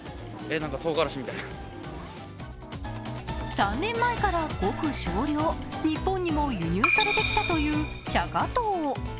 ３年前から、ごく少量日本にも輸入されてきたというシャカトウ。